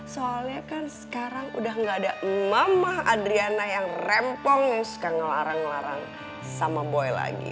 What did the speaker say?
soalnya kan sekarang udah gak ada mama adriana yang rempong yang suka ngelarang ngelarang sama boy lagi